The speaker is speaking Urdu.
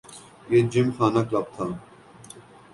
یہ جم خانہ کلب تھا۔